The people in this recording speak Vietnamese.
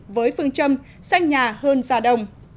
với phương châm xanh nhà hơn già đồng